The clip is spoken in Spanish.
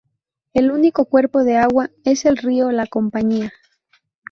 El único cuerpo de agua es el río La Compañía.